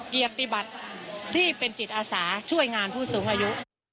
เกียรติบัติที่เป็นจิตอาสาช่วยงานผู้สูงอายุ